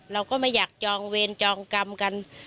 เราก็ไม่อยากจองเวรจองกรรมกัน